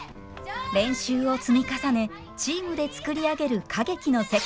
練習を積み重ねチームで作り上げる歌劇の世界。